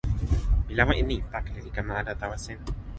mi lawa e ni: pakala li kama ala tawa sina.